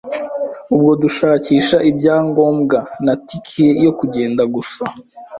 ubwo, dushakisha ibyangombwa na ticket yo kugenda gusa